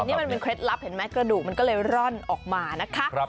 นี่มันเป็นเคล็ดลับเห็นไหมกระดูกมันก็เลยร่อนออกมานะคะ